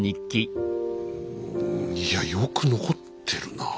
いやよく残ってるなあ。